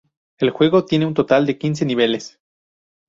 El juego tiene un total de quince niveles.